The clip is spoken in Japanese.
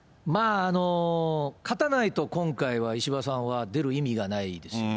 勝たないと今回は、石破さんは出る意味がないですよね。